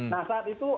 nah saat itu